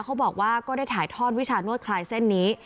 เขาบอกว่าก็ได้ถ่ายทอดวิชานวดคลายเส้นนี้